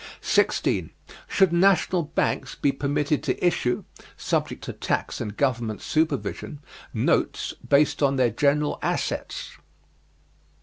16. Should national banks be permitted to issue, subject to tax and government supervision, notes based on their general assets?